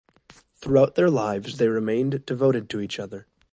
Throughout their lives, they remained devoted to each other.